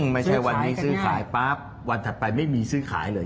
ไม่ใช่วันนี้ซื้อขายปั๊บวันถัดไปไม่มีซื้อขายเลย